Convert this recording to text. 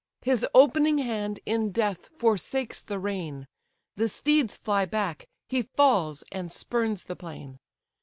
His opening hand in death forsakes the rein; The steeds fly back: he falls, and spurns the plain.